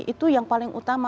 itu yang paling utama